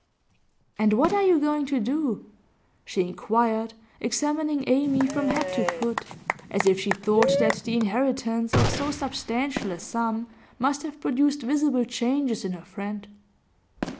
'And what are you going to do?' she inquired, examining Amy from head to foot, as if she thought that the inheritance of so substantial a sum must have produced visible changes in her friend.